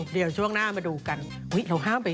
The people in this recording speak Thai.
เดี๋ยวนะไปกันใหญ่แล้วตอนนี้